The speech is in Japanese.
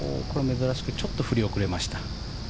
珍しくちょっと振り遅れました。